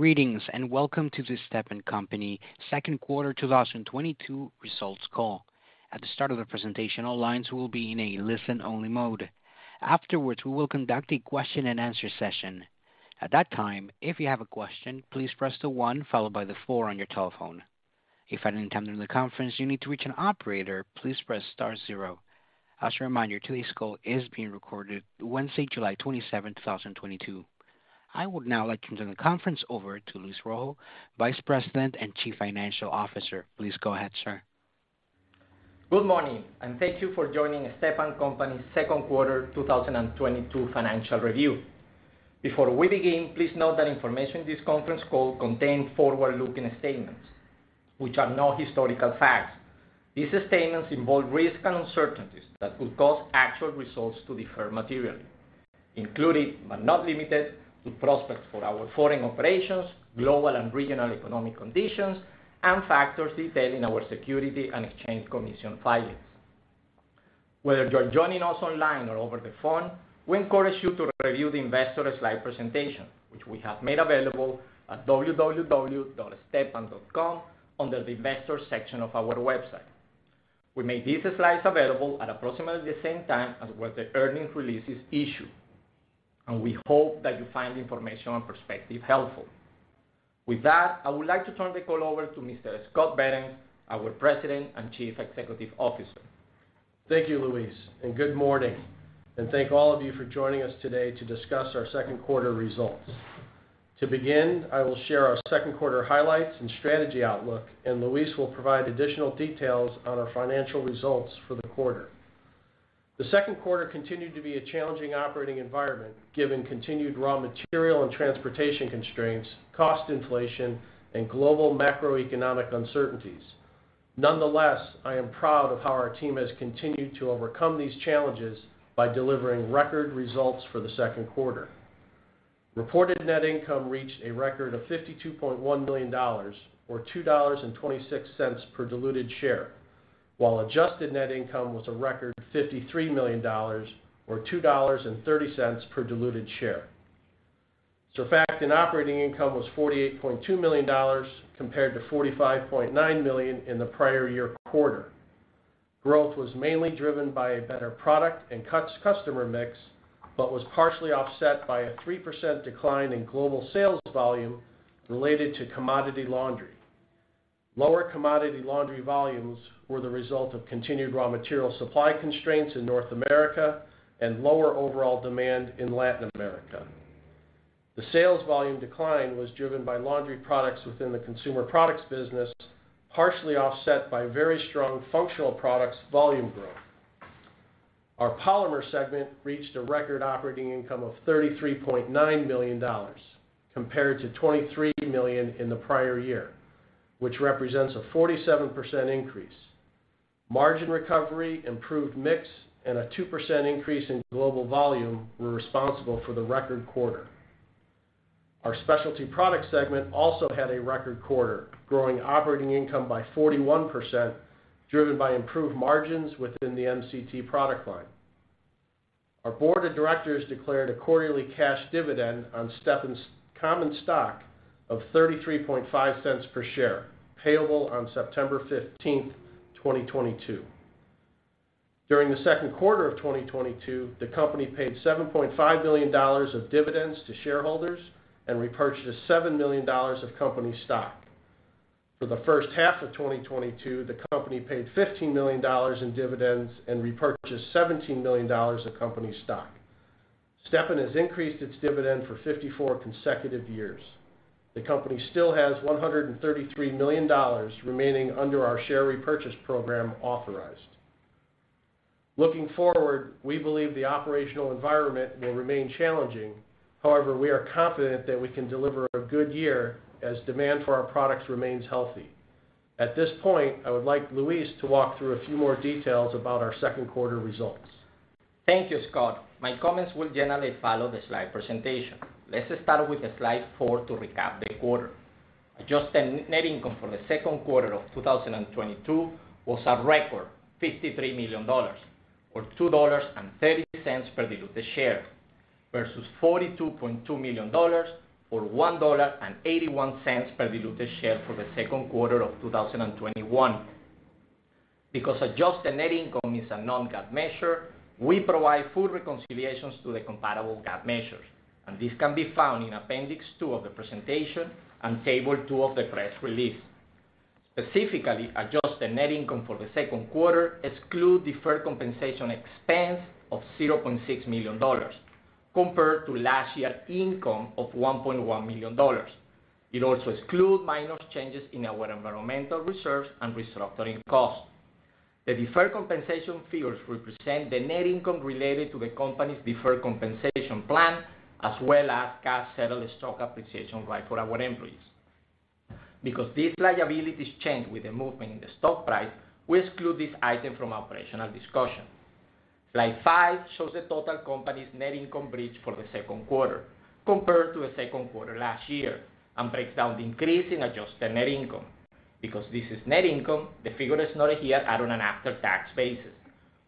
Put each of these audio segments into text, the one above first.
Greetings, and welcome to the Stepan Company second quarter 2022 results call. At the start of the presentation, all lines will be in a listen-only mode. Afterwards, we will conduct a question-and-answer session. At that time, if you have a question, please press the one followed by the four on your telephone. If at any time during the conference you need to reach an operator, please press star zero. As a reminder, today's call is being recorded Wednesday, July 27, 2022. I would now like to turn the conference over to Luis Rojo, Vice President and Chief Financial Officer. Please go ahead, sir. Good morning, and thank you for joining Stepan Company's second quarter 2022 financial review. Before we begin, please note that information in this conference call contain forward-looking statements which are not historical facts. These statements involve risks and uncertainties that could cause actual results to differ materially, including but not limited to prospects for our foreign operations, global and regional economic conditions, and factors detailed in our Securities and Exchange Commission filings. Whether you're joining us online or over the phone, we encourage you to review the investor slide presentation, which we have made available at www.stepan.com under the investors section of our website. We made these slides available at approximately the same time as when the earnings release is issued, and we hope that you find the information and perspective helpful. With that, I would like to turn the call over to Mr. Scott Behrens, our President and Chief Executive Officer. Thank you, Luis, and good morning, and thank all of you for joining us today to discuss our second quarter results. To begin, I will share our second quarter highlights and strategy outlook, and Luis will provide additional details on our financial results for the quarter. The second quarter continued to be a challenging operating environment, given continued raw material and transportation constraints, cost inflation, and global macroeconomic uncertainties. Nonetheless, I am proud of how our team has continued to overcome these challenges by delivering record results for the second quarter. Reported net income reached a record of $52.1 million, or $2.26 per diluted share, while adjusted net income was a record $53 million, or $2.30 per diluted share. Adjusted operating income was $48.2 million compared to $45.9 million in the prior-year quarter. Growth was mainly driven by a better product and customer mix, but was partially offset by a 3% decline in global sales volume related to commodity laundry. Lower commodity laundry volumes were the result of continued raw material supply constraints in North America and lower overall demand in Latin America. The sales volume decline was driven by laundry products within the consumer products business, partially offset by very strong functional products volume growth. Our Polymers segment reached a record operating income of $33.9 million, compared to $23 million in the prior year, which represents a 47% increase. Margin recovery, improved mix, and a 2% increase in global volume were responsible for the record quarter. Our Specialty Products segment also had a record quarter, growing operating income by 41%, driven by improved margins within the MCT product line. Our board of directors declared a quarterly cash dividend on Stepan's common stock of $0.335 per share, payable on September 15, 2022. During the second quarter of 2022, the company paid $7.5 million of dividends to shareholders and repurchased $7 million of company stock. For the first half of 2022, the company paid $15 million in dividends and repurchased $17 million of company stock. Stepan has increased its dividend for 54 consecutive years. The company still has $133 million remaining under our share repurchase program authorized. Looking forward, we believe the operational environment will remain challenging. However, we are confident that we can deliver a good year as demand for our products remains healthy. At this point, I would like Luis to walk through a few more details about our second quarter results. Thank you, Scott. My comments will generally follow the slide presentation. Let's start with slide four to recap the quarter. Adjusted net income for the second quarter of 2022 was a record $53 million, or $2.30 per diluted share, versus $42.2 million, or $1.81 per diluted share for the second quarter of 2021. Because adjusted net income is a non-GAAP measure, we provide full reconciliations to the comparable GAAP measures, and this can be found in appendix two of the presentation and table two of the press release. Specifically, adjusted net income for the second quarter exclude deferred compensation expense of $0.6 million compared to last year's income of $1.1 million. It also exclude minor changes in our environmental reserves and restructuring costs. The deferred compensation figures represent the net income related to the company's deferred compensation plan, as well as cash settled stock appreciation rights for our employees. Because these liabilities change with the movement in the stock price, we exclude this item from operational discussion. Slide five shows the total company's net income bridge for the second quarter compared to the second quarter last year and breaks down the increase in adjusted net income. Because this is net income, the figure is noted here at an after-tax basis.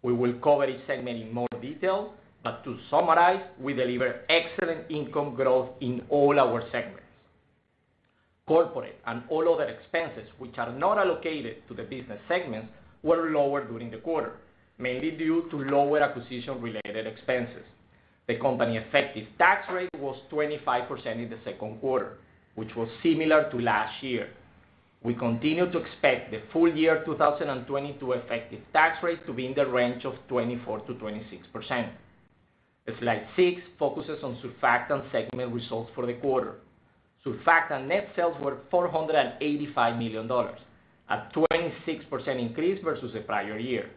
We will cover each segment in more detail, but to summarize, we delivered excellent income growth in all our segments. Corporate and all other expenses which are not allocated to the business segments were lower during the quarter, mainly due to lower acquisition-related expenses. The company's effective tax rate was 25% in the second quarter, which was similar to last year. We continue to expect the full year 2022 effective tax rate to be in the range of 24%-26%. Slide six focuses on Surfactant segment results for the quarter. Surfactant net sales were $485 million, a 26% increase versus the prior year.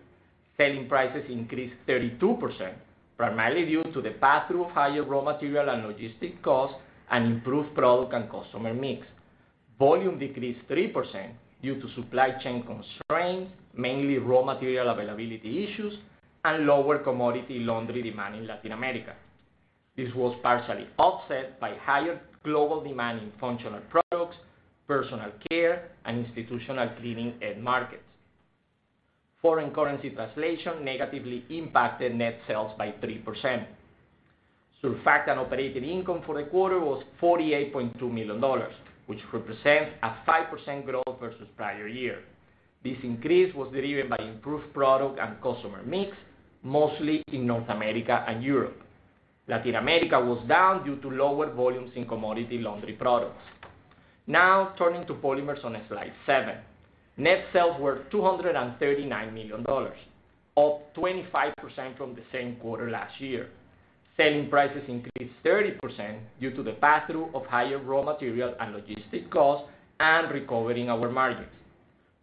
Selling prices increased 32%, primarily due to the pass-through of higher raw material and logistic costs and improved product and customer mix. Volume decreased 3% due to supply chain constraints, mainly raw material availability issues and lower commodity laundry demand in Latin America. This was partially offset by higher global demand in functional products, personal care, and institutional cleaning end markets. Foreign currency translation negatively impacted net sales by 3%. Surfactant operating income for the quarter was $48.2 million, which represents a 5% growth versus prior year. This increase was driven by improved product and customer mix, mostly in North America and Europe. Latin America was down due to lower volumes in commodity laundry products. Now, turning to Polymers on slide seven. Net sales were $239 million, up 25% from the same quarter last year. Selling prices increased 30% due to the pass-through of higher raw material and logistic costs and recovering our margins.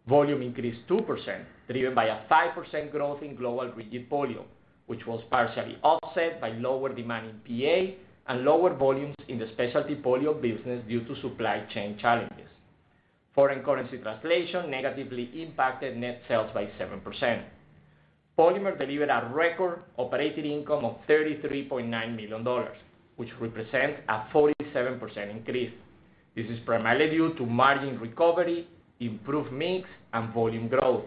Volume increased 2% driven by a 5% growth in global rigid polyols, which was partially offset by lower demand in PA and lower volumes in the specialty polyols business due to supply chain challenges. Foreign currency translation negatively impacted net sales by 7%. Polymers delivered a record operating income of $33.9 million, which represents a 47% increase. This is primarily due to margin recovery, improved mix, and volume growth.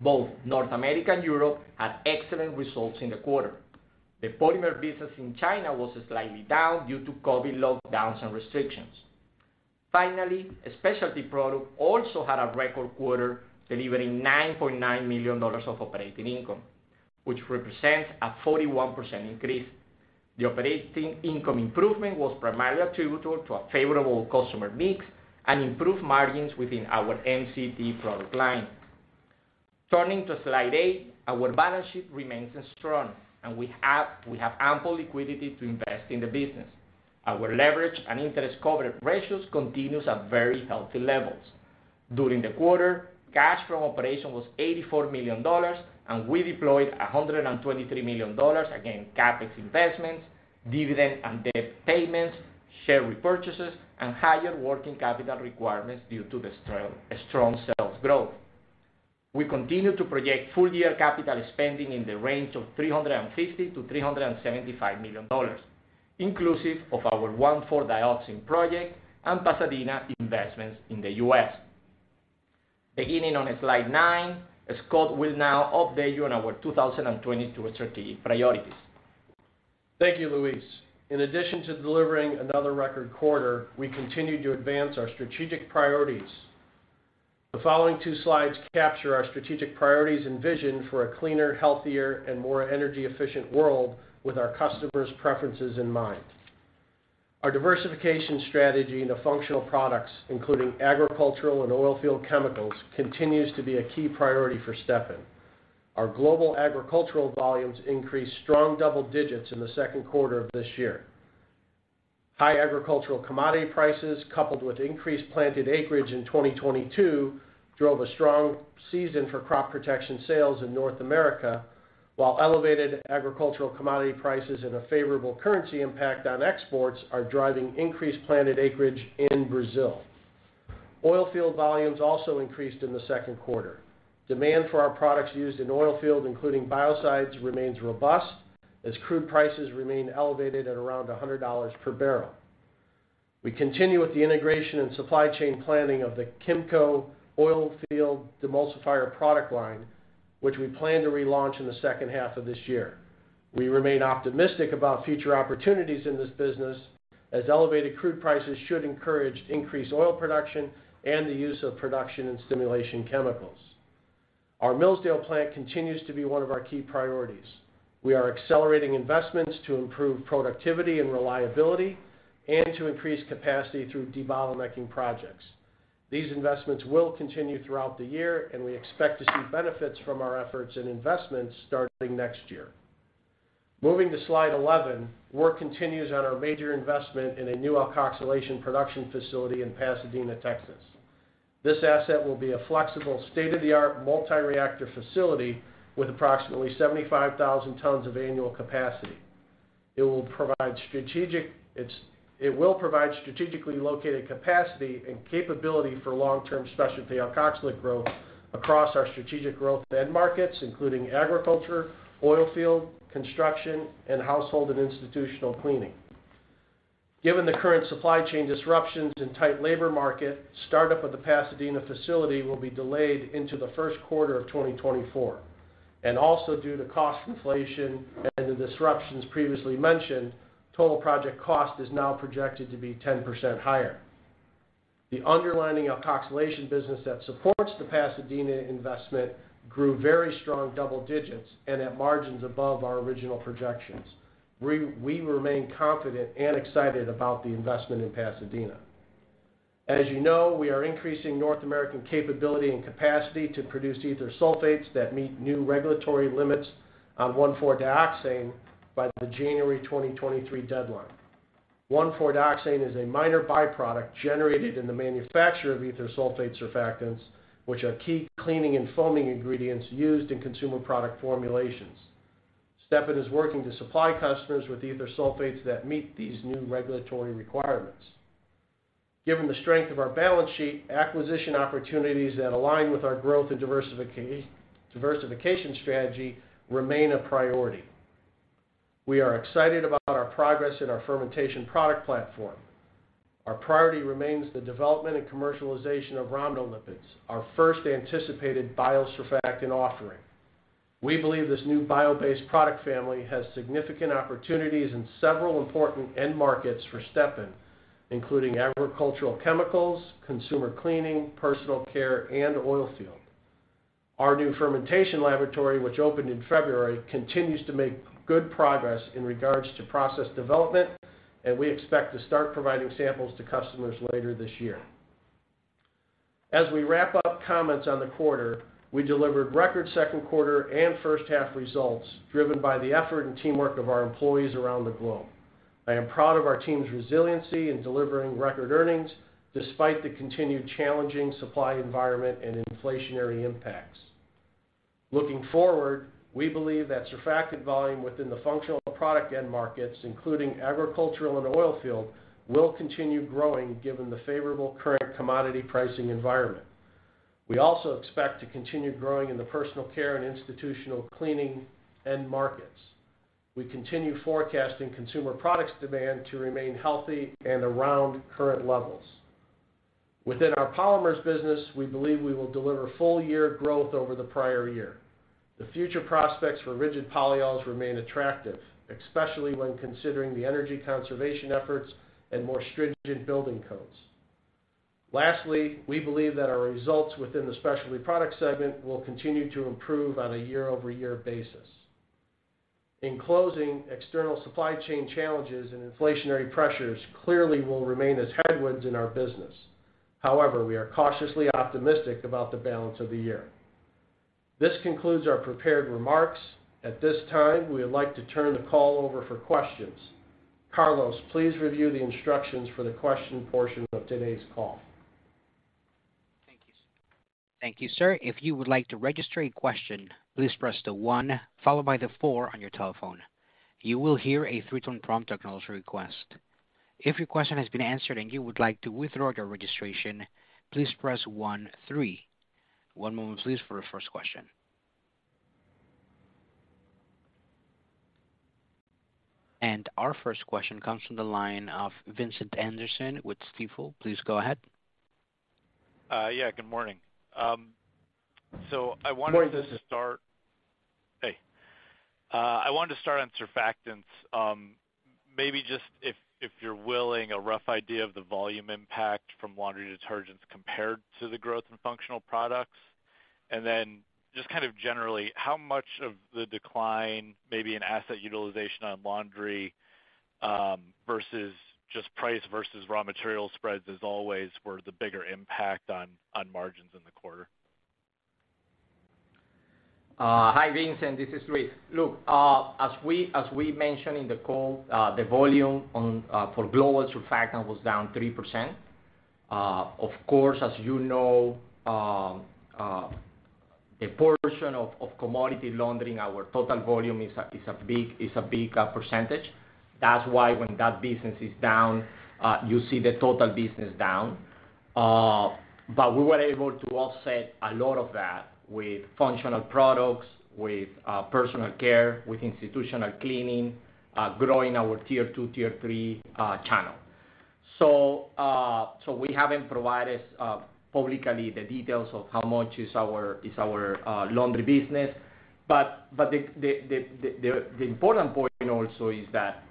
Both North America and Europe had excellent results in the quarter. The Polymers business in China was slightly down due to COVID lockdowns and restrictions. Finally, Specialty Products also had a record quarter, delivering $9.9 million of operating income, which represents a 41% increase. The operating income improvement was primarily attributable to a favorable customer mix and improved margins within our MCT product line. Turning to slide eight, our balance sheet remains strong, and we have ample liquidity to invest in the business. Our leverage and interest coverage ratios continues at very healthy levels. During the quarter, cash from operations was $84 million, and we deployed $123 million against CapEx investments, dividend and debt payments, share repurchases, and higher working capital requirements due to the strong sales growth. We continue to project full year capital spending in the range of $350 million-$375 million, inclusive of our 1,4-dioxane project and Pasadena investments in the U.S. Beginning on slide nine, Scott will now update you on our 2022 strategic priorities. Thank you, Luis. In addition to delivering another record quarter, we continued to advance our strategic priorities. The following two slides capture our strategic priorities and vision for a cleaner, healthier, and more energy-efficient world with our customers' preferences in mind. Our diversification strategy into functional products, including agricultural and oilfield chemicals, continues to be a key priority for Stepan. Our global agricultural volumes increased strong double digits in the second quarter of this year. High agricultural commodity prices, coupled with increased planted acreage in 2022, drove a strong season for crop protection sales in North America, while elevated agricultural commodity prices and a favorable currency impact on exports are driving increased planted acreage in Brazil. Oilfield volumes also increased in the second quarter. Demand for our products used in oilfield, including biocides, remains robust as crude prices remain elevated at around $100 bbl. We continue with the integration and supply chain planning of the KMCO oilfield demulsifier product line, which we plan to relaunch in the second half of this year. We remain optimistic about future opportunities in this business, as elevated crude prices should encourage increased oil production and the use of production and stimulation chemicals. Our Millsdale plant continues to be one of our key priorities. We are accelerating investments to improve productivity and reliability and to increase capacity through debottlenecking projects. These investments will continue throughout the year, and we expect to see benefits from our efforts and investments starting next year. Moving to slide 11. Work continues on our major investment in a new alkoxylation production facility in Pasadena, Texas. This asset will be a flexible, state-of-the-art, multi-reactor facility with approximately 75,000 tons of annual capacity. It will provide strategic. It will provide strategically located capacity and capability for long-term specialty alkoxylate growth across our strategic growth end markets, including agriculture, oilfield, construction, and household and institutional cleaning. Given the current supply chain disruptions and tight labor market, startup of the Pasadena facility will be delayed into the first quarter of 2024. Also due to cost inflation and the disruptions previously mentioned, total project cost is now projected to be 10% higher. The underlying alkoxylation business that supports the Pasadena investment grew very strong double digits and at margins above our original projections. We remain confident and excited about the investment in Pasadena. As you know, we are increasing North American capability and capacity to produce ether sulfates that meet new regulatory limits on 1,4-dioxane by the January 2023 deadline. 1,4-dioxane is a minor byproduct generated in the manufacture of ether sulfate surfactants, which are key cleaning and foaming ingredients used in consumer product formulations. Stepan is working to supply customers with ether sulfates that meet these new regulatory requirements. Given the strength of our balance sheet, acquisition opportunities that align with our growth and diversification strategy remain a priority. We are excited about our progress in our fermentation product platform. Our priority remains the development and commercialization of rhamnolipids, our first anticipated biosurfactant offering. We believe this new bio-based product family has significant opportunities in several important end markets for Stepan, including agricultural chemicals, consumer cleaning, personal care, and oil field. Our new fermentation laboratory, which opened in February, continues to make good progress in regards to process development, and we expect to start providing samples to customers later this year. As we wrap up comments on the quarter, we delivered record second quarter and first half results driven by the effort and teamwork of our employees around the globe. I am proud of our team's resiliency in delivering record earnings despite the continued challenging supply environment and inflationary impacts. Looking forward, we believe that surfactant volume within the functional product end markets, including agricultural and oil field, will continue growing given the favorable current commodity pricing environment. We also expect to continue growing in the personal care and institutional cleaning end markets. We continue forecasting consumer products demand to remain healthy and around current levels. Within our polymers business, we believe we will deliver full-year growth over the prior year. The future prospects for rigid polyols remain attractive, especially when considering the energy conservation efforts and more stringent building codes. Lastly, we believe that our results within the Specialty Products segment will continue to improve on a year-over-year basis. In closing, external supply chain challenges and inflationary pressures clearly will remain as headwinds in our business. However, we are cautiously optimistic about the balance of the year. This concludes our prepared remarks. At this time, we would like to turn the call over for questions. Carlos, please review the instructions for the question portion of today's call. Thank you, sir. If you would like to register a question, please press the one followed by the four on your telephone. You will hear a three-tone prompt acknowledging the request. If your question has been answered and you would like to withdraw your registration, please press one, three. One moment, please, for the first question. Our first question comes from the line of Vincent Anderson with Stifel. Please go ahead. Yeah, good morning. I wanted to start. Good morning, Vincent. Hey. I wanted to start on surfactants. Maybe just if you're willing, a rough idea of the volume impact from laundry detergents compared to the growth in functional products. Then just kind of generally how much of the decline, maybe in asset utilization on laundry, versus just price versus raw material spreads as always were the bigger impact on margins in the quarter? Hi, Vincent, this is Luis. Look, as we mentioned in the call, the volume for global surfactants was down 3%. Of course, as you know, a portion of commodity surfactants, our total volume is a big percentage. That's why when that business is down, you see the total business down. We were able to offset a lot of that with functional products, with personal care, with institutional cleaning, growing our tier two, tier three channel. We haven't provided publicly the details of how much is our laundry business. The important point also is that,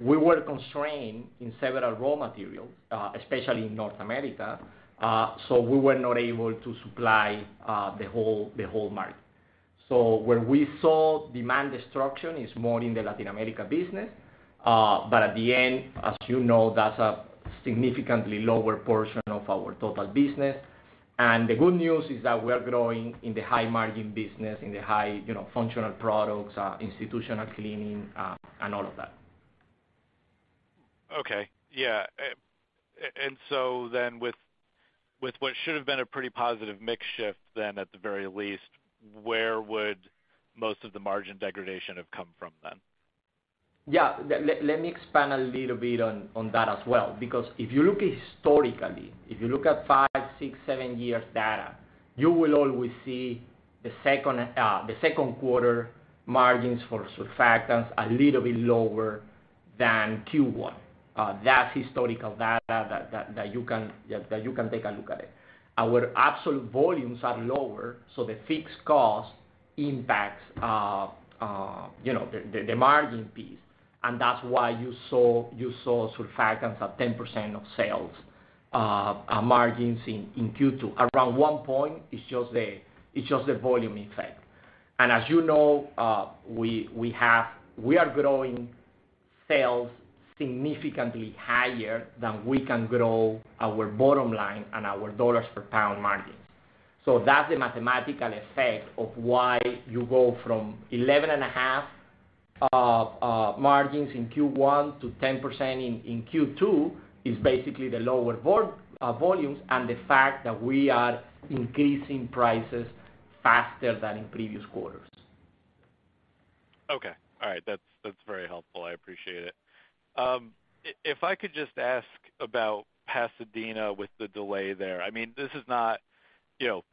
we were constrained in several raw materials, especially in North America. We were not able to supply the whole market. Where we saw demand destruction is more in the Latin America business. At the end, as you know, that's a significantly lower portion of our total business. The good news is that we are growing in the high margin business, in the high, you know, functional products, institutional cleaning, and all of that. With what should have been a pretty positive mix shift then, at the very least, where would most of the margin degradation have come from then? Yeah. Let me expand a little bit on that as well. Because if you look historically, if you look at five, six, seven years data. You will always see the second quarter margins for surfactants a little bit lower than Q1. That's historical data that you can take a look at it. Our absolute volumes are lower, so the fixed cost impacts you know the margin piece. That's why you saw surfactants at 10% of sales margins in Q2. Around 1 point, it's just the volume effect. As you know, we are growing sales significantly higher than we can grow our bottom line and our dollars per pound margins. That's the mathematical effect of why you go from 11.5% margins in Q1 to 10% in Q2 is basically the lower volumes and the fact that we are increasing prices faster than in previous quarters. Okay. All right. That's very helpful. I appreciate it. If I could just ask about Pasadena with the delay there. I mean, this is not, you know,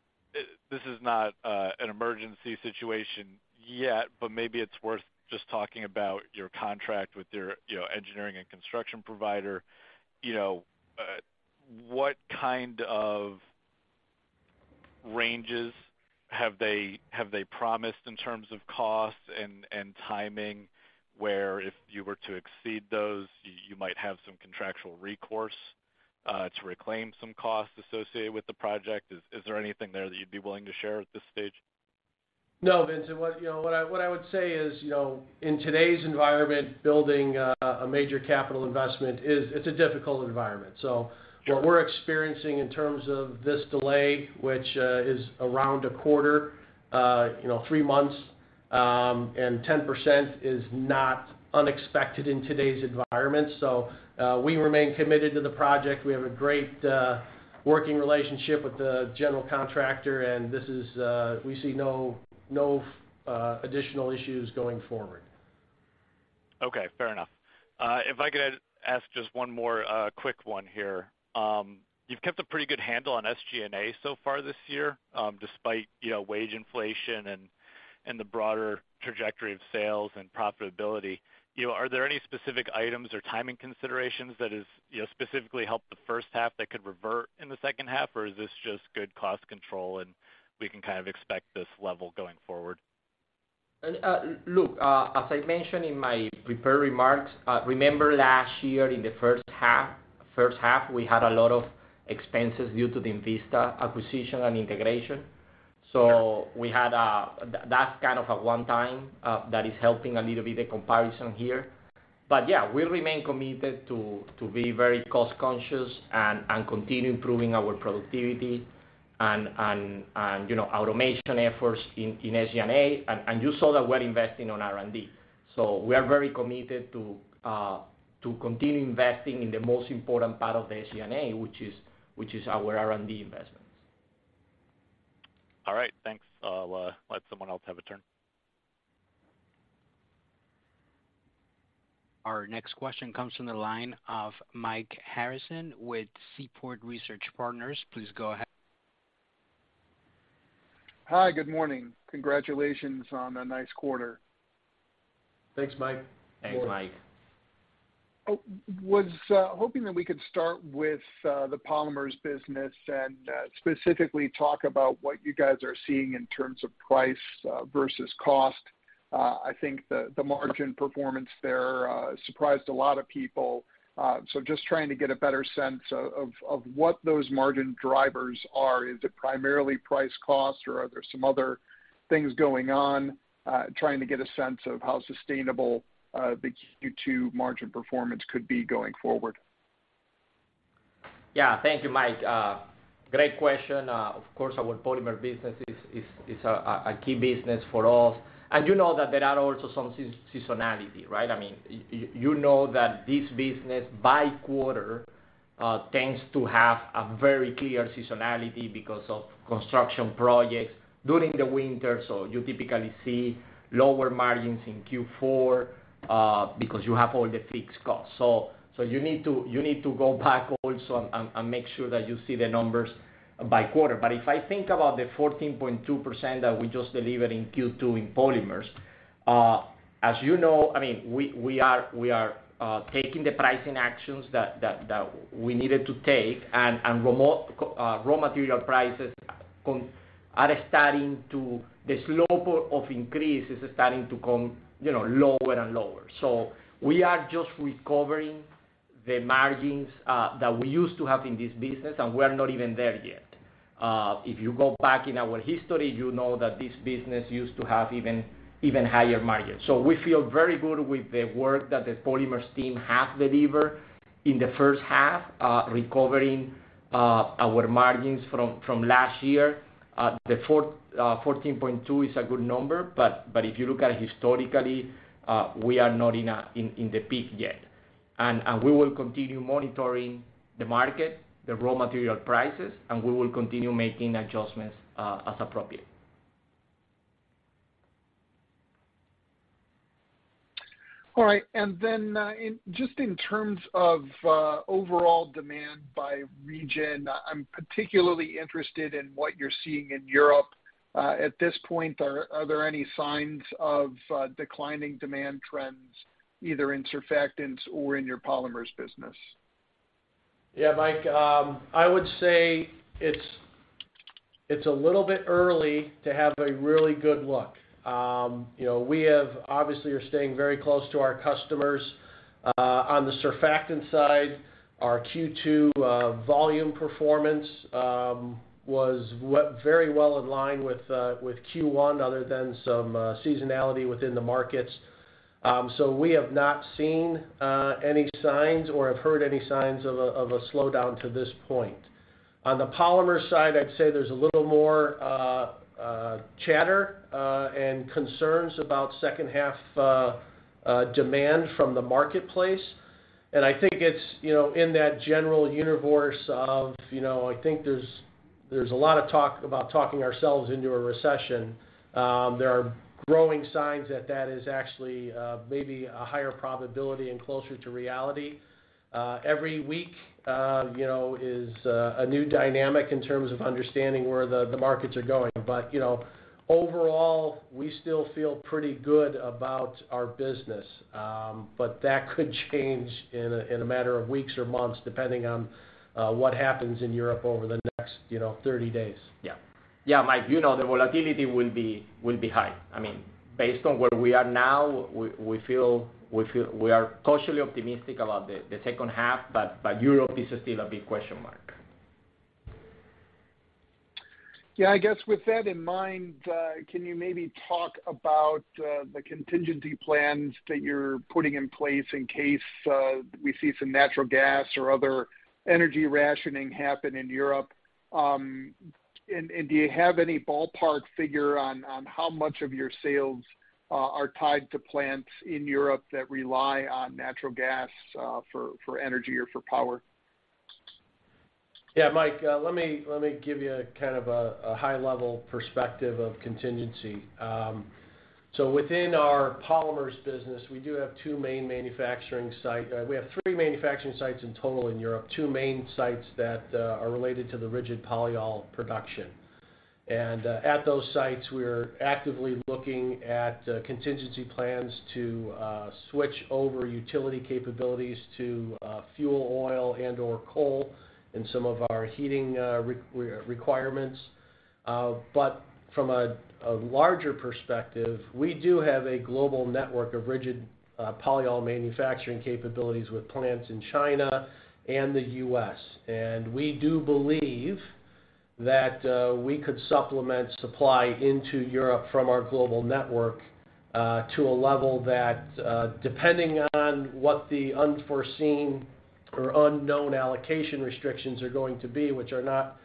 this is not an emergency situation yet, but maybe it's worth just talking about your contract with your, you know, engineering and construction provider. You know, what kind of ranges have they promised in terms of costs and timing, where if you were to exceed those, you might have some contractual recourse to reclaim some costs associated with the project? Is there anything there that you'd be willing to share at this stage? No, Vincent. What I would say is, you know, in today's environment, building a major capital investment is a difficult environment. What we're experiencing in terms of this delay, which is around a quarter, you know, three months, and 10% is not unexpected in today's environment. We remain committed to the project. We have a great working relationship with the general contractor, and this is, we see no additional issues going forward. Okay. Fair enough. If I could ask just one more quick one here. You've kept a pretty good handle on SG&A so far this year, despite, you know, wage inflation and the broader trajectory of sales and profitability. You know, are there any specific items or timing considerations that has, you know, specifically helped the first half that could revert in the second half? Or is this just good cost control and we can kind of expect this level going forward? Look, as I mentioned in my prepared remarks, remember last year in the first half, we had a lot of expenses due to the Invista acquisition and integration. That's kind of a one-time that is helping a little bit the comparison here. But yeah, we remain committed to be very cost conscious and continue improving our productivity and, you know, automation efforts in SG&A. You saw that we're investing on R&D. We are very committed to continue investing in the most important part of the SG&A, which is our R&D investments. All right. Thanks. I'll let someone else have a turn. Our next question comes from the line of Mike Harrison with Seaport Research Partners. Please go ahead. Hi, good morning. Congratulations on a nice quarter. Thanks, Mike. Hey, Mike. I was hoping that we could start with the Polymers business and specifically talk about what you guys are seeing in terms of price versus cost. I think the margin performance there surprised a lot of people. Just trying to get a better sense of what those margin drivers are. Is it primarily price cost or are there some other things going on? Trying to get a sense of how sustainable the Q2 margin performance could be going forward. Yeah. Thank you, Mike. Great question. Of course, our Polymers business is a key business for us. You know that there are also some seasonality, right? I mean, you know that this business by quarter tends to have a very clear seasonality because of construction projects during the winter. You typically see lower margins in Q4 because you have all the fixed costs. You need to go back also and make sure that you see the numbers by quarter. If I think about the 14.2% that we just delivered in Q2 in Polymers, as you know, I mean, we are taking the pricing actions that we needed to take, and raw material prices, the slope of increase is starting to come, you know, lower and lower. So we are just recovering the margins that we used to have in this business, and we're not even there yet. If you go back in our history, you know that this business used to have even higher margins. So we feel very good with the work that the Polymers team have delivered in the first half, recovering our margins from last year. The 14.2% is a good number, but if you look at it historically, we are not in the peak yet. We will continue monitoring the market, the raw material prices, and we will continue making adjustments as appropriate. All right. Just in terms of overall demand by region, I'm particularly interested in what you're seeing in Europe. At this point, are there any signs of declining demand trends, either in surfactants or in your Polymers business? Yeah, Mike, I would say it's a little bit early to have a really good look. You know, we have obviously are staying very close to our customers. On the surfactant side, our Q2 volume performance was very well in line with Q1 other than some seasonality within the markets. So we have not seen any signs or have heard any signs of a slowdown to this point. On the polymer side, I'd say there's a little more chatter and concerns about second half demand from the marketplace. I think it's, you know, in that general universe of, you know, I think there's a lot of talk about talking ourselves into a recession. There are growing signs that is actually maybe a higher probability and closer to reality. Every week you know is a new dynamic in terms of understanding where the markets are going. You know, overall, we still feel pretty good about our business. That could change in a matter of weeks or months depending on what happens in Europe over the next you know 30 days. Yeah. Yeah, Mike, you know, the volatility will be high. I mean, based on where we are now, we feel we are cautiously optimistic about the second half, but Europe is still a big question mark. Yeah, I guess with that in mind, can you maybe talk about the contingency plans that you're putting in place in case we see some natural gas or other energy rationing happen in Europe? And do you have any ballpark figure on how much of your sales are tied to plants in Europe that rely on natural gas for energy or for power? Yeah, Mike, let me give you a kind of a high level perspective of contingency. Within our Polymers business, we do have two main manufacturing sites. We have three manufacturing sites in total in Europe, two main sites that are related to the rigid polyol production. At those sites, we are actively looking at contingency plans to switch over utility capabilities to fuel oil and/or coal in some of our heating requirements. From a larger perspective, we do have a global network of rigid polyol manufacturing capabilities with plants in China and the U.S. We do believe that we could supplement supply into Europe from our global network to a level that, depending on what the unforeseen or unknown allocation restrictions are going to be, which are not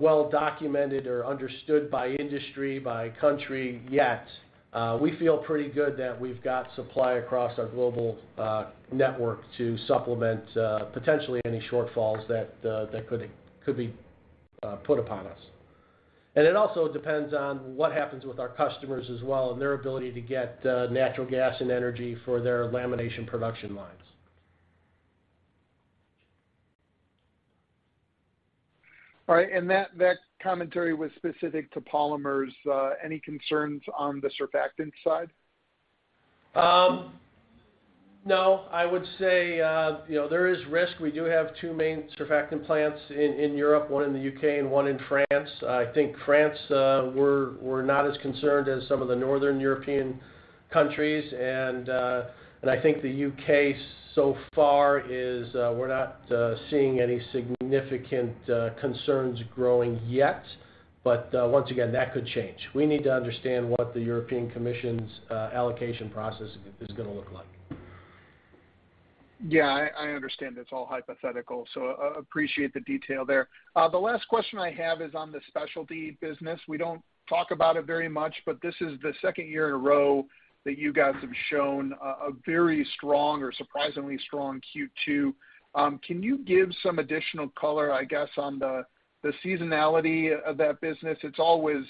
well documented or understood by industry, by country yet, we feel pretty good that we've got supply across our global network to supplement potentially any shortfalls that could be put upon us. It also depends on what happens with our customers as well and their ability to get natural gas and energy for their lamination production lines. All right. That commentary was specific to Polymers. Any concerns on the surfactants side? No. I would say, you know, there is risk. We do have two main surfactant plants in Europe, one in the U.K. and one in France. I think France, we're not as concerned as some of the Northern European countries. I think the U.K. so far, we're not seeing any significant concerns growing yet. Once again, that could change. We need to understand what the European Commission's allocation process is gonna look like. I understand it's all hypothetical, so appreciate the detail there. The last question I have is on the specialty business. We don't talk about it very much, but this is the second year in a row that you guys have shown a very strong or surprisingly strong Q2. Can you give some additional color, I guess, on the seasonality of that business? It's always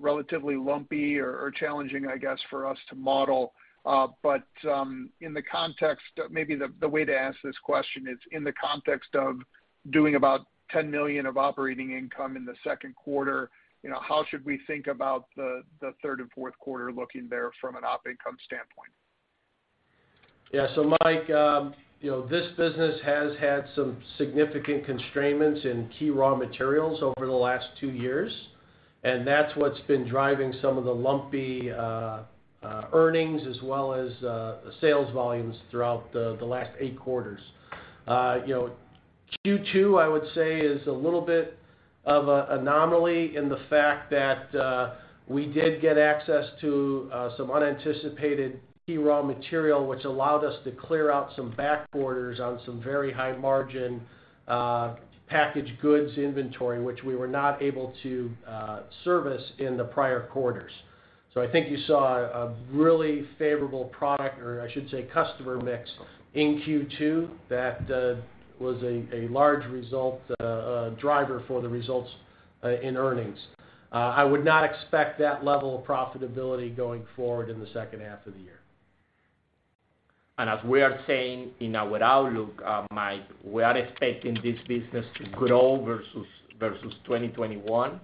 relatively lumpy or challenging, I guess, for us to model. In the context, maybe the way to ask this question is, in the context of doing about $10 million of operating income in the second quarter, you know, how should we think about the third and fourth quarter looking there from an op income standpoint? Yeah. Mike, you know, this business has had some significant constraints in key raw materials over the last two years, and that's what's been driving some of the lumpy earnings as well as sales volumes throughout the last eight quarters. You know, Q2 I would say is a little bit of an anomaly in the fact that we did get access to some unanticipated key raw material, which allowed us to clear out some back orders on some very high margin packaged goods inventory, which we were not able to service in the prior quarters. I think you saw a really favorable product or I should say, customer mix in Q2 that was a large result driver for the results in earnings. I would not expect that level of profitability going forward in the second half of the year. As we are saying in our outlook, Mike, we are expecting this business to grow versus 2021.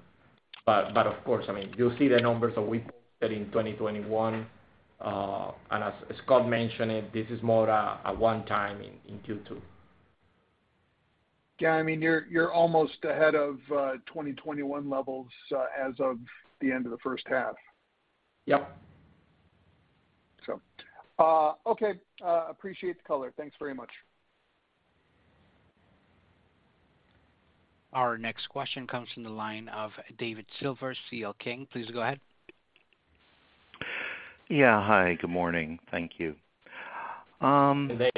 Of course, I mean, you'll see the numbers that we set in 2021. As Scott mentioned it, this is more a one-time in Q2. Yeah, I mean, you're almost ahead of 2021 levels as of the end of the first half. Yep. Okay. Appreciate the color. Thanks very much. Our next question comes from the line of David Silver, CL King. Please go ahead. Yeah. Hi, good morning. Thank you. Hey, Dave.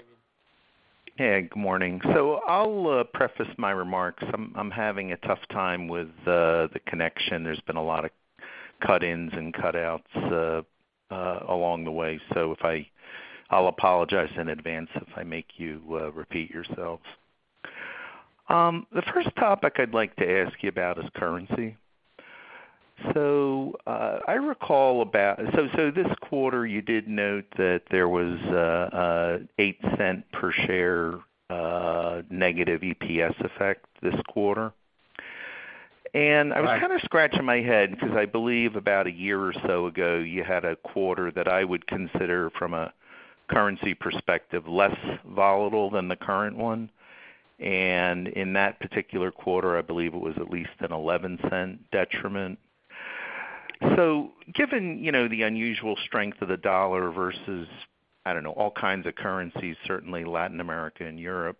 Hey, good morning. I'll preface my remarks. I'm having a tough time with the connection. There's been a lot of cut-ins and cut-outs along the way. I'll apologize in advance if I make you repeat yourselves. The first topic I'd like to ask you about is currency. I recall this quarter you did note that there was $0.08 per share negative EPS effect this quarter. I was kind of scratching my head because I believe about a year or so ago, you had a quarter that I would consider from a currency perspective, less volatile than the current one. In that particular quarter, I believe it was at least a $0.11 detriment. Given, you know, the unusual strength of the dollar versus, I don't know, all kinds of currencies, certainly Latin America and Europe,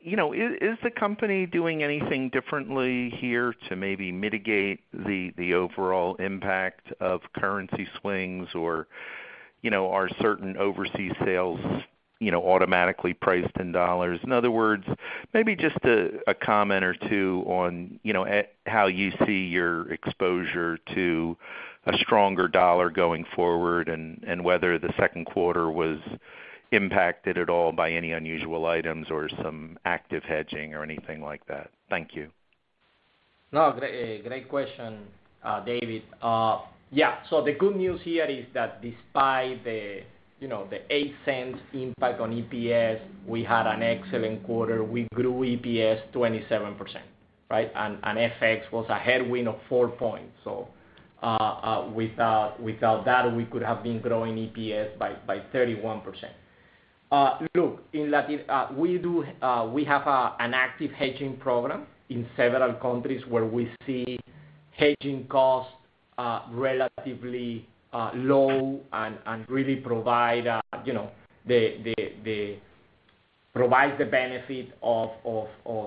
you know, is the company doing anything differently here to maybe mitigate the overall impact of currency swings or, you know, are certain overseas sales, you know, automatically priced in dollars? In other words, maybe just a comment or two on, you know, how you see your exposure to a stronger dollar going forward, and whether the second quarter was impacted at all by any unusual items or some active hedging or anything like that. Thank you. No, great question, David. Yeah. The good news here is that despite the, you know, the $0.08 impact on EPS, we had an excellent quarter. We grew EPS 27%, right? FX was a headwind of four points. Without that, we could have been growing EPS by 31%. We have an active hedging program in several countries where we see hedging costs relatively low and really provides the benefit of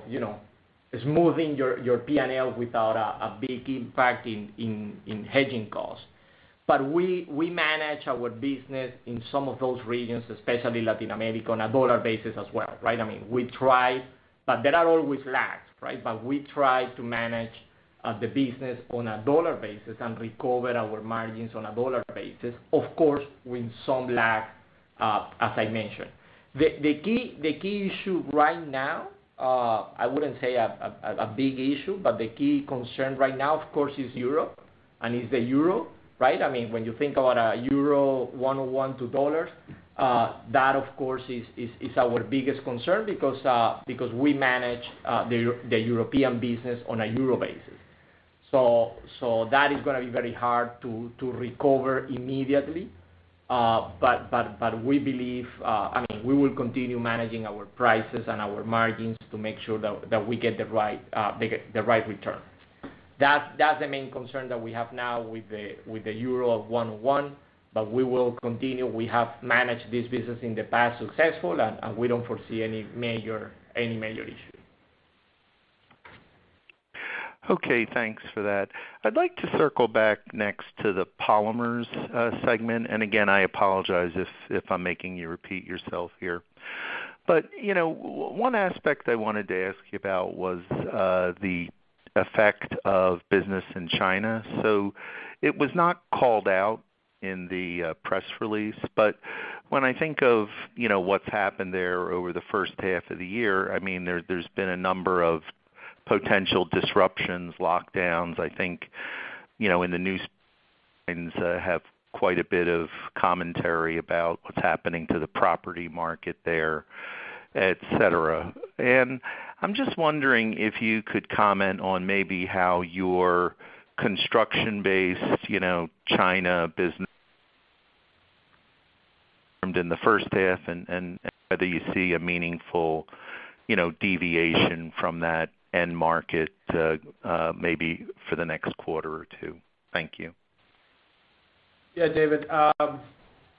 you know smoothing your P&L without a big impact in hedging costs. We manage our business in some of those regions, especially Latin America, on a dollar basis as well, right? I mean, we try, but there are always lags, right? We try to manage the business on a dollar basis and recover our margins on a dollar basis, of course, with some lag, as I mentioned. The key issue right now, I wouldn't say a big issue, but the key concern right now, of course, is Europe and the euro, right? I mean, when you think about a EUR 1-$1, that, of course, is our biggest concern because we manage the European business on a euro basis. That is gonna be very hard to recover immediately. But we believe, I mean, we will continue managing our prices and our margins to make sure that we get the right, they get the right return. That's the main concern that we have now with the EUR 1-$1. We will continue. We have managed this business in the past successfully, and we don't foresee any major issue. Okay, thanks for that. I'd like to circle back next to the Polymers segment. Again, I apologize if I'm making you repeat yourself here. You know, one aspect I wanted to ask you about was the effect of business in China. It was not called out in the press release. When I think of, you know, what's happened there over the first half of the year, I mean, there's been a number of potential disruptions, lockdowns. I think, you know, in the news have quite a bit of commentary about what's happening to the property market there, et cetera. I'm just wondering if you could comment on maybe how your construction base, you know, China business in the first half and whether you see a meaningful, you know, deviation from that end market, maybe for the next quarter or two. Thank you. Yeah, David.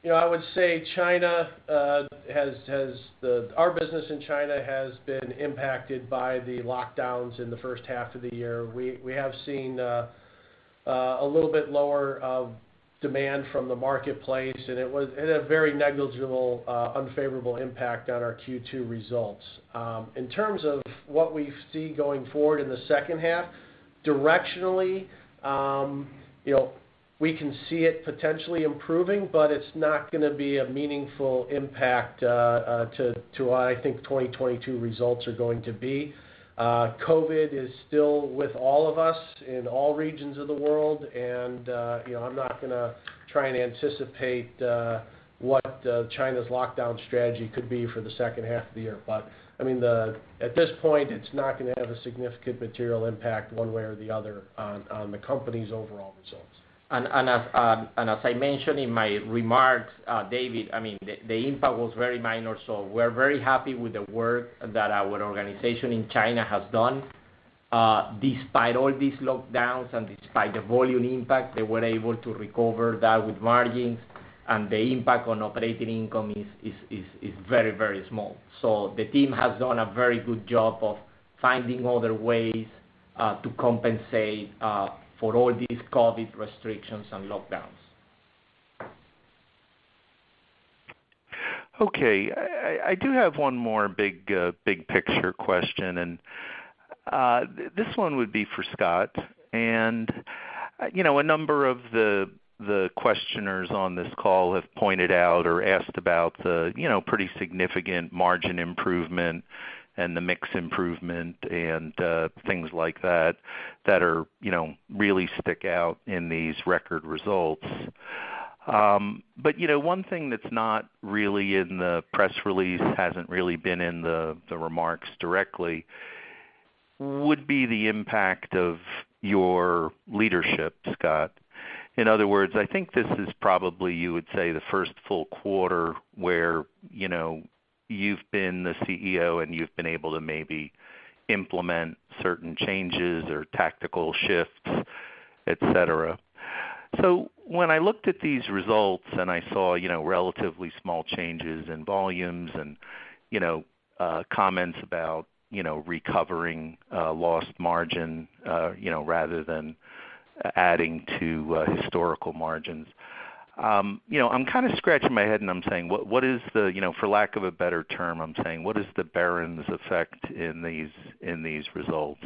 You know, I would say China. Our business in China has been impacted by the lockdowns in the first half of the year. We have seen a little bit lower demand from the marketplace, and it was a very negligible unfavorable impact on our Q2 results. In terms of what we see going forward in the second half, directionally, you know, we can see it potentially improving, but it's not gonna be a meaningful impact to what I think 2022 results are going to be. COVID is still with all of us in all regions of the world, and you know, I'm not gonna try and anticipate what China's lockdown strategy could be for the second half of the year. I mean, at this point, it's not gonna have a significant material impact one way or the other on the company's overall results. As I mentioned in my remarks, David, I mean, the impact was very minor, so we're very happy with the work that our organization in China has done. Despite all these lockdowns and despite the volume impact, they were able to recover that with margins, and the impact on operating income is very, very small. The team has done a very good job of finding other ways to compensate for all these COVID restrictions and lockdowns. Okay. I do have one more big picture question, and this one would be for Scott. You know, a number of the questioners on this call have pointed out or asked about the, you know, pretty significant margin improvement and the mix improvement and things like that that are, you know, really stick out in these record results. You know, one thing that's not really in the press release, hasn't really been in the remarks directly would be the impact of your leadership, Scott. In other words, I think this is probably, you would say, the first full quarter where, you know, you've been the CEO, and you've been able to maybe implement certain changes or tactical shifts, et cetera. When I looked at these results and I saw, you know, relatively small changes in volumes and, you know, comments about, you know, recovering, lost margin, you know, rather than adding to, historical margins, you know, I'm kinda scratching my head, and I'm saying, "What is the..." You know, for lack of a better term, I'm saying, "What is the Behrens effect in these results?"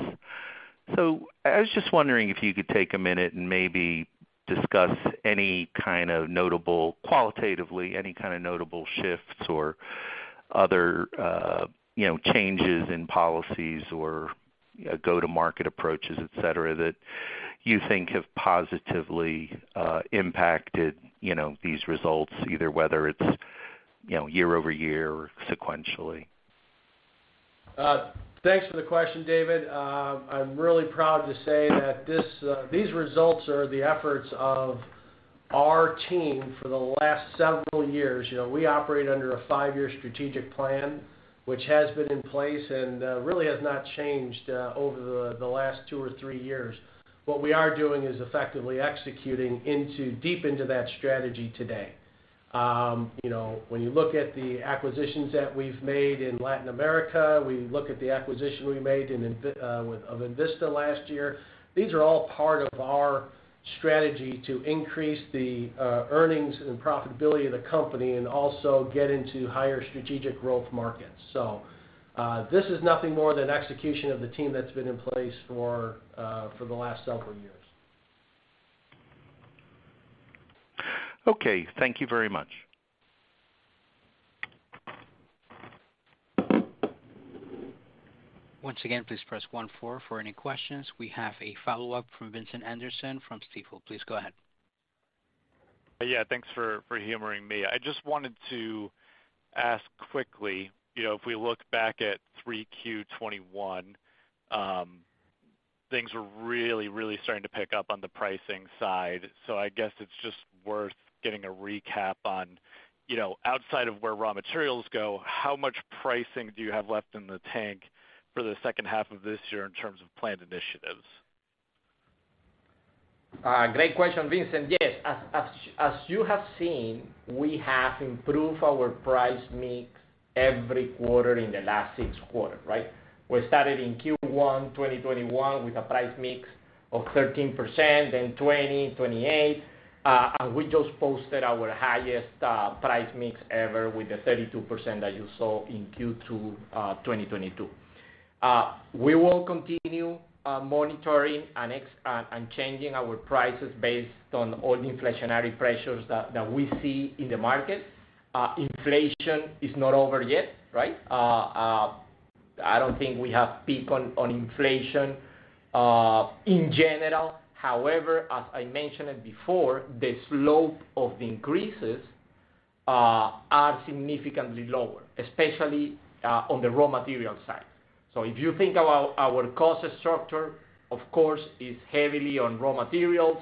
I was just wondering if you could take a minute and maybe discuss any kind of notable, qualitatively, any kind of notable shifts or other, you know, changes in policies or, you know, go-to-market approaches, et cetera, that you think have positively impacted, you know, these results, either whether it's, you know, year-over-year or sequentially. Thanks for the question, David. I'm really proud to say that these results are the efforts of our team for the last several years. You know, we operate under a five-year strategic plan which has been in place and really has not changed over the last two or three years. What we are doing is effectively executing deep into that strategy today. You know, when you look at the acquisitions that we've made in Latin America, we look at the acquisition we made of Invista last year, these are all part of our strategy to increase the earnings and profitability of the company and also get into higher strategic growth markets. This is nothing more than execution of the team that's been in place for the last several years. Okay, thank you very much. Once again, please press one, four for any questions. We have a follow-up from Vincent Anderson from Stifel. Please go ahead. Yeah, thanks for humoring me. I just wanted to ask quickly, you know, if we look back at 3Q 2021, things were really starting to pick up on the pricing side. I guess it's just worth getting a recap on, you know, outside of where raw materials go, how much pricing do you have left in the tank for the second half of this year in terms of planned initiatives? Great question, Vincent. Yes. As you have seen, we have improved our price mix every quarter in the last six quarters, right? We started in Q1 2021 with a price mix of 13%, then 20, 28, and we just posted our highest price mix ever with the 32% that you saw in Q2 2022. We will continue monitoring and changing our prices based on all the inflationary pressures that we see in the market. Inflation is not over yet, right? I don't think we have peaked on inflation in general. However, as I mentioned it before, the slope of the increases are significantly lower, especially on the raw material side. If you think about our cost structure, of course, it's heavily on raw materials,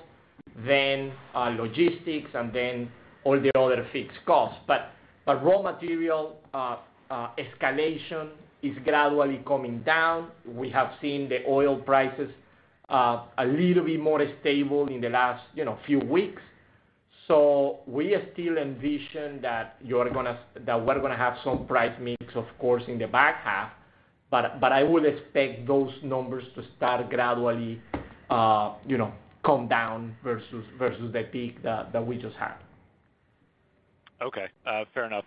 then, logistics, and then all the other fixed costs. Raw material escalation is gradually coming down. We have seen the oil prices a little bit more stable in the last, you know, few weeks. We still envision that we're gonna have some price mix, of course, in the back half, but I would expect those numbers to start gradually, you know, come down versus the peak that we just had. Okay, fair enough.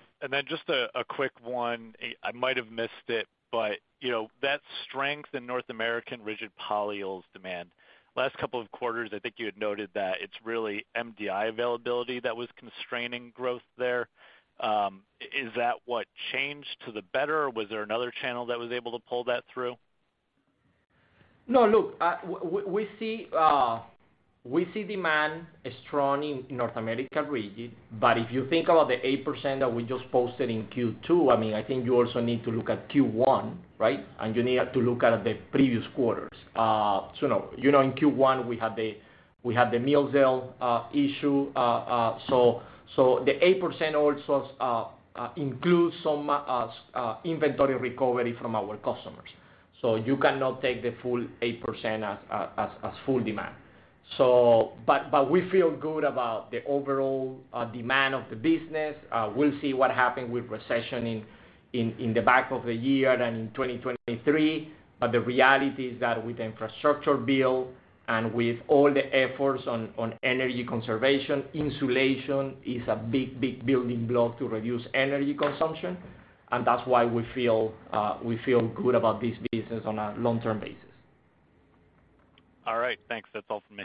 Just a quick one. I might have missed it, but you know, that strength in North American rigid polyols demand, last couple of quarters, I think you had noted that it's really MDI availability that was constraining growth there. Is that what changed to the better, or was there another channel that was able to pull that through? No, look, we see demand is strong in North America rigid. If you think about the 8% that we just posted in Q2, I mean, I think you also need to look at Q1, right? You need to look at the previous quarters. No. You know, in Q1, we had the Millsdale issue. The 8% also includes some inventory recovery from our customers. You cannot take the full 8% as full demand. We feel good about the overall demand of the business. We'll see what happens with recession in the back of the year and in 2023. The reality is that with infrastructure bill and with all the efforts on energy conservation, insulation is a big, big building block to reduce energy consumption, and that's why we feel good about this business on a long-term basis. All right. Thanks. That's all from me.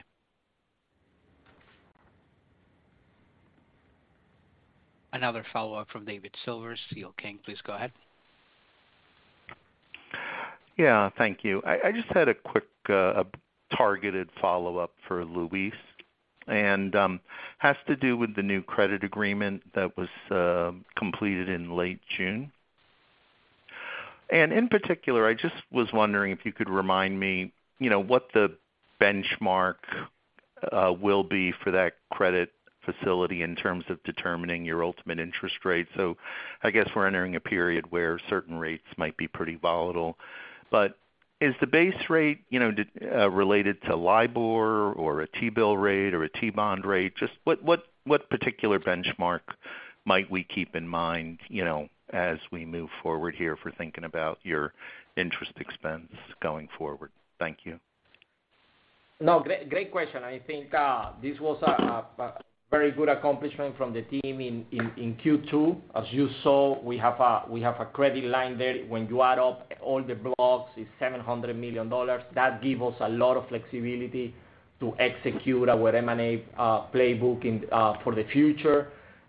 Another follow-up from David Silver, CL King, please go ahead. Yeah. Thank you. I just had a quick targeted follow-up for Luis, and has to do with the new credit agreement that was completed in late June. In particular, I just was wondering if you could remind me, you know, what the benchmark will be for that credit facility in terms of determining your ultimate interest rate. I guess we're entering a period where certain rates might be pretty volatile. Is the base rate, you know, related to LIBOR or a T-bill rate or a T-bond rate? Just what particular benchmark might we keep in mind, you know, as we move forward here for thinking about your interest expense going forward? Thank you. No, great question. I think this was a very good accomplishment from the team in Q2. As you saw, we have a credit line there. When you add up all the blocks, it's $700 million. That give us a lot of flexibility to execute our M&A playbook for the future.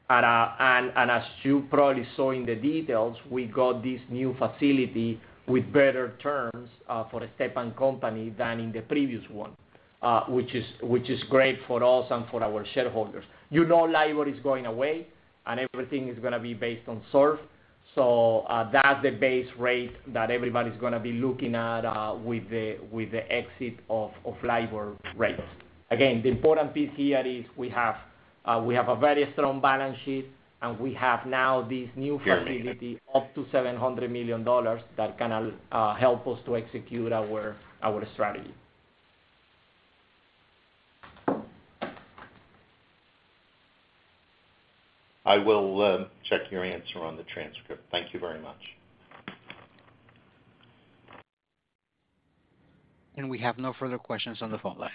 As you probably saw in the details, we got this new facility with better terms for Stepan Company than in the previous one, which is great for us and for our shareholders. You know LIBOR is going away, and everything is gonna be based on SOFR. That's the base rate that everybody's gonna be looking at with the exit of LIBOR rates. Again, the important piece here is we have a very strong balance sheet, and we have now this new facility up to $700 million that can help us to execute our strategy. I will check your answer on the transcript. Thank you very much. We have no further questions on the phone line.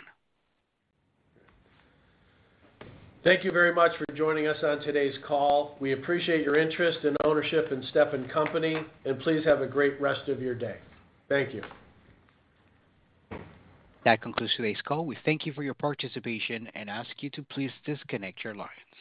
Thank you very much for joining us on today's call. We appreciate your interest and ownership in Stepan Company, and please have a great rest of your day. Thank you. That concludes today's call. We thank you for your participation and ask you to please disconnect your lines.